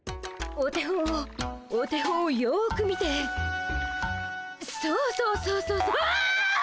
お手本をお手本をよく見てそうそうそうそうそうあ！